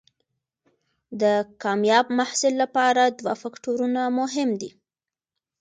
د کامیاب محصل لپاره دوه فکتورونه مهم دي.